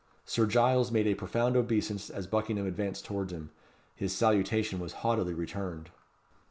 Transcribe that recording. Sir Giles made a profound obeisance as Buckingham advanced towards him. His salutation was haughtily returned.